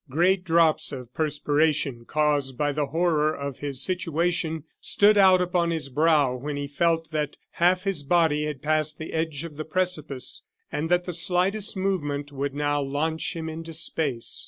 Great drops of perspiration, caused by the horror of his situation, stood out upon his brow when he felt that half his body had passed the edge of the precipice, and that the slightest movement would now launch him into space.